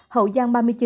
hậu giang ba mươi chín